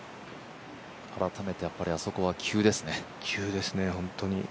改めてあそこは急ですね。